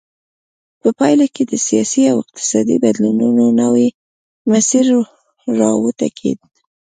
په پایله کې د سیاسي او اقتصادي بدلونونو نوی مسیر را وټوکېد.